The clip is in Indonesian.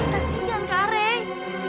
kasian kak rey